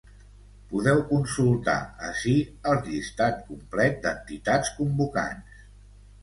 Podeu consultar ací el llistat complet d’entitats convocants.